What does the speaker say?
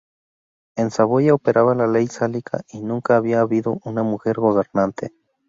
En Saboya operaba la ley sálica y nunca había habido una mujer gobernante.